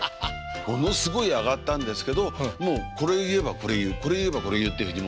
ものすごいあがったんですけどもうこれ言えばこれ言うこれ言えばこれ言うっていうふうにもうタンタンタンってこう。